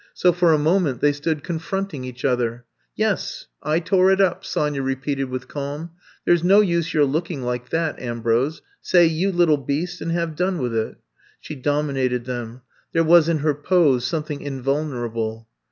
So for a moment they stood confronting each other. Yes, I tore it up, Sonya repeated with cahn. There *s no use your looking like that, Ajnbrose. Say, *You little beast t' and have done with itl'^ She dominated them. There was in her pose something invulnerable.